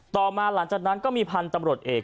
ต่อมาหลังจากนั้นก็มีพันธุ์ตำรวจเอก